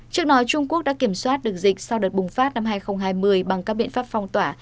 trước đó trung quốc đã kiểm soát được dịch sau đợt bùng phát năm hai nghìn hai mươi bằng các biện pháp phong tỏa